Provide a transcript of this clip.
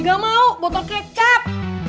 gak mau botol kecap